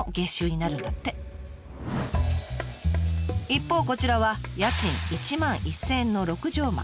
一方こちらは家賃１万１，０００円の６畳間。